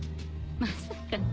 まさか！